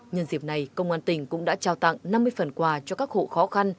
nhân dịp này công an tỉnh cũng đã trao tặng năm mươi phần quà cho các hộ khó khăn